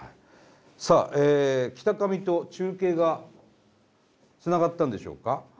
さあきたかみと中継がつながったんでしょうか？